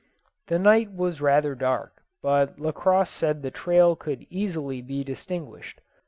The night was rather dark, but Lacosse said the trail could easily be distinguished.